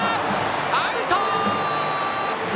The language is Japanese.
アウト！